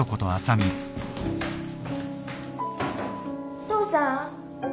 お父さん。